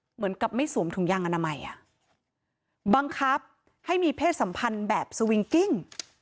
เหมือนกับไม่สวมถุงยางอนามัยอ่ะบังคับให้มีเพศสัมพันธ์แบบสวิงกิ้ง